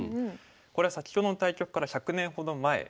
これは先ほどの対局から１００年ほど前ですね。